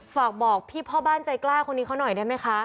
ฝากบอกพี่พ่อบ้านใจกล้าคนนี้เขาหน่อยได้ไหมคะ